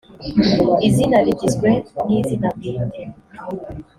izina rigizwe n izina bwite